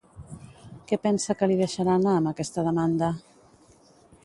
Què pensa que li deixarà anar amb aquesta demanda?